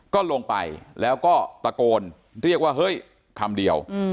ก็ลงไปแล้วก็ตะโกนเรียกว่าเฮ้ยคำเดียว